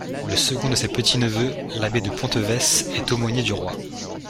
Le second de ses petits-neveux, l'abbé de Pontevès, est aumônier du roi.